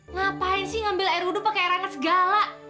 ngapain sih ngambil air udu pakai air hangat segala